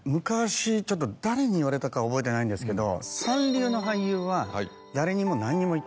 ちょっと誰に言われたか覚えてないんですけど。